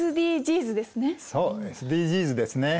そうＳＤＧｓですね。